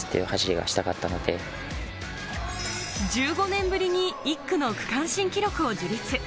１５年ぶりに１区の区間新記録を樹立。